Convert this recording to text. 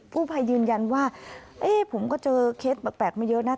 ผู้ภัยยืนยันว่าเอ๊ะผมก็เจอเคสแปลกมาเยอะนะ